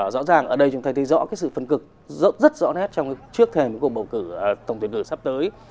rõ ràng ở đây chúng ta thấy rõ cái sự phân cực rất rõ nét trong cái trước thềm của cuộc bầu cử tổng tuyển lửa sắp tới